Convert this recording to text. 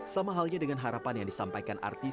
sama halnya dengan harapan yang disampaikan artis